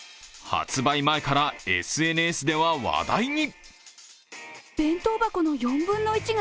発売前からＳＮＳでは話題に。